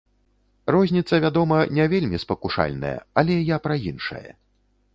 Розніца, вядома, не вельмі спакушальная, але я пра іншае.